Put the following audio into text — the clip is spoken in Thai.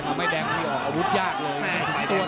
หน้ากว่าสักซีรุ่งพี่เลยนะ